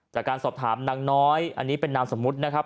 จากการสอบถามนางน้อยอันนี้เป็นนามสมมุตินะครับ